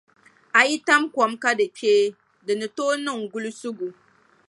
A yi tam kom ka di kpee di ni tooi niŋ gulisigu.